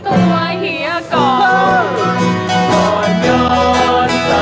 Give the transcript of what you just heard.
ตอนย้อนตาตอนย้อนตาตอนย้อนตาตอนย้อน